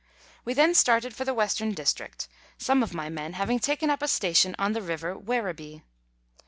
We then started for the Western District, some of my men having taken up a station on the River Werribee.